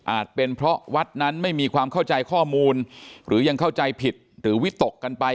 เป็นเพราะวัดนั้นไม่มีความเข้าใจข้อมูลหรือยังเข้าใจผิดหรือวิตกกันไป